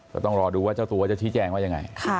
ก็ต้องรอดูว่าเจ้าตัวจะชี้แจงว่ายังไง